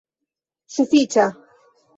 sufiĉa